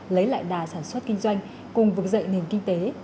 lấy lại đà sản xuất kinh doanh cùng vực dậy nền kinh tế